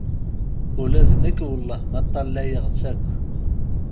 Ula d nekki wellah ma ṭṭalayeɣ-tt akk.